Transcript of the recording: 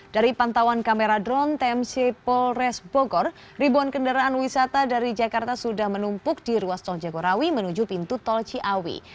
dari pantauan kamera drone tmc polres bogor ribuan kendaraan wisata dari jakarta sudah menumpuk di ruas tol jagorawi menuju pintu tol ciawi